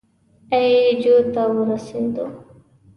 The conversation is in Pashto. اي جو ته ورسېدو.